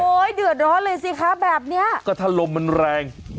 เดือดร้อนเลยสิคะแบบเนี้ยก็ถ้าลมมันแรง